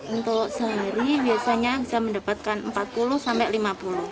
untuk sehari biasanya bisa mendapatkan rp empat puluh sampai lima puluh